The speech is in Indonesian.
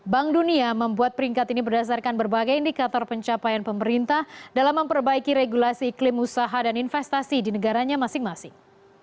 bank dunia membuat peringkat ini berdasarkan berbagai indikator pencapaian pemerintah dalam memperbaiki regulasi iklim usaha dan investasi di negaranya masing masing